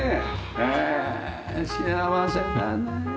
へえ幸せだね。